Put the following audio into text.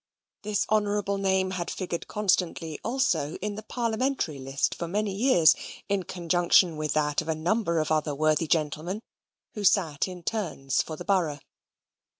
This honourable name had figured constantly also in the Parliamentary list for many years, in conjunction with that of a number of other worthy gentlemen who sat in turns for the borough.